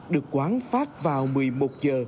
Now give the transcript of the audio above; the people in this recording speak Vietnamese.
được quán phát vào một mươi một h